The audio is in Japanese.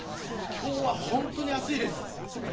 今日は本当に暑いです。